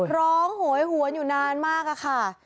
โหยหวนอยู่นานมากอะค่ะ